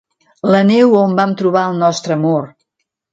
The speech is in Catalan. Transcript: La neu on vam trobar el nostre amor.